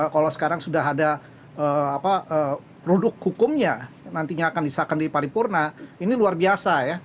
kalau sekarang sudah ada produk hukumnya nantinya akan disahkan di paripurna ini luar biasa ya